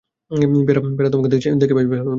Poirot, তোমাকে দেখে বেশ ভালো লাগল!